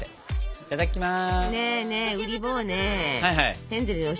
いただきます。